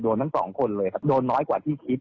ทั้งสองคนเลยครับโดนน้อยกว่าที่คิด